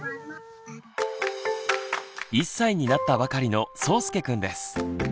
１歳になったばかりのそうすけくんです。